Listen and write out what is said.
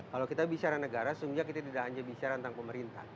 kalau kita bicara negara sungguhnya kita tidak hanya bicara tentang pemerintah